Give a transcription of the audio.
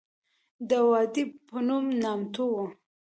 د وادي پنوم نامتو وه.